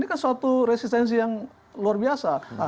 ini kan suatu resistensi yang luar biasa